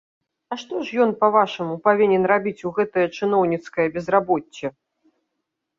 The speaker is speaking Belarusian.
А што ж ён, па-вашаму, павінен рабіць у гэтае чыноўніцкае безрабоцце?